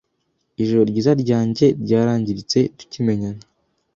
Ijoro ryanjye ryarangiritse tukimenyana